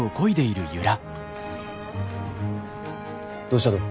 どうしたと？